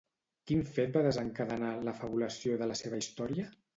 Quin fet va desencadenar la fabulació de la seva història?